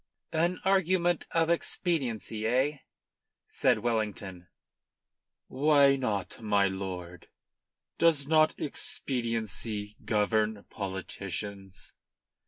"An argument of expediency, eh?" said Wellington. "Why not, my lord! Does not expediency govern politicians?"